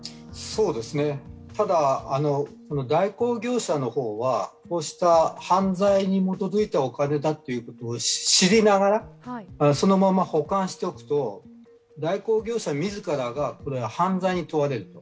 ただ、代行業者の方は、こうした犯罪に基づいたお金だということを知りながらそのまま保管しておくと、代行業者自らが犯罪に問われる。